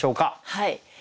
はい。